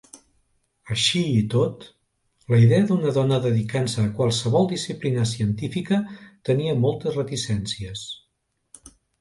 Així i tot, la idea d'una dona dedicant-se a qualsevol disciplina científica tenia moltes reticències.